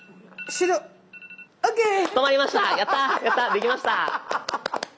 できました！